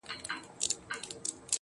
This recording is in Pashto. موږ پر انسان خبرې وکړې